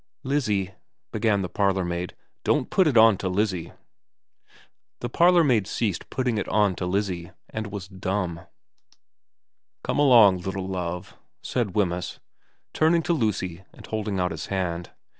4 Lizzie ' began the parlourmaid. xvn VERA 185 ' Don't put it on to Lizzie.' The parlourmaid ceased putting it on to Lizzie and was dumb. ' Come along, little Love,' said Wemyss, turning to Lucy and holding out his hand.